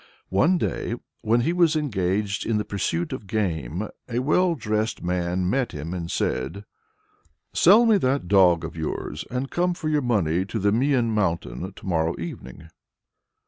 One day when he was engaged in the pursuit of game, a well dressed man met him and said, "Sell me that dog of yours, and come for your money to the Mian mountain to morrow evening."